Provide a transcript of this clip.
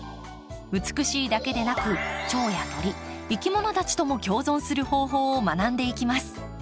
美しいだけでなくチョウや鳥いきものたちとも共存する方法を学んでいきます。